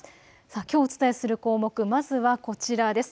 きょうお伝えする項目、まずはこちらです。